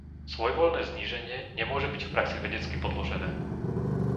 Svojvoľné zníženie nemôže byť v praxi vedecky podložené.